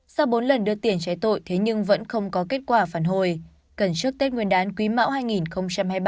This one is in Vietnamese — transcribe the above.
sau bốn lần đưa tiền trái tội thế nhưng vẫn không có kết quả phản hồi cần trước tết nguyên đán quý mão hai nghìn hai mươi ba